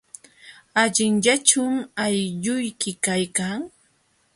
¿Allinllachum aylluyki kaykan?